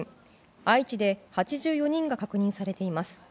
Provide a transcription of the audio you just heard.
愛知で８４人が確認されています。